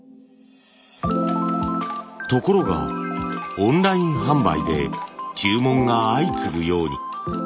ところがオンライン販売で注文が相次ぐように。